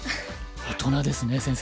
大人ですね先生。